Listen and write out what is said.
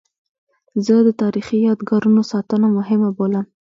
زه د تاریخي یادګارونو ساتنه مهمه بولم.